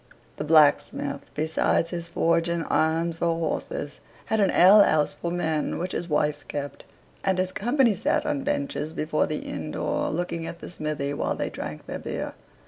The blacksmith, besides his forge and irons for horses, had an ale house for men, which his wife kept, and his company sat on benches before the inn door, looking at the smithy while they drank their beer.